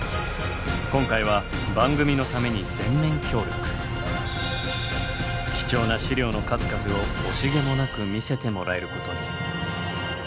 今回は番組のために貴重な資料の数々を惜しげもなく見せてもらえることに。